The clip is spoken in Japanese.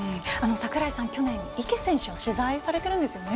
櫻井さん、去年池選手を取材されているんですよね。